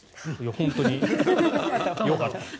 本当によかった。